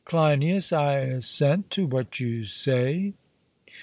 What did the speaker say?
CLEINIAS: I assent to what you say.